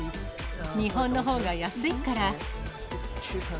日本のほうが安いから。